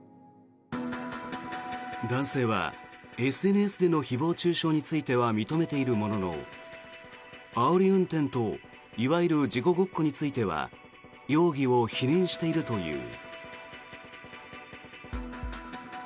男性はＳＮＳでの誹謗・中傷については認めているもののあおり運転といわゆる事故ごっこについては容疑を否認しているという。